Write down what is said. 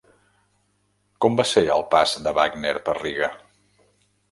Com va ser el pas de Wagner per Riga?